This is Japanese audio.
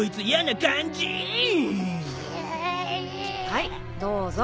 はいどうぞ。